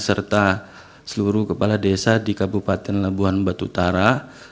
serta seluruh kepala desa di kabupaten labuhan batu utara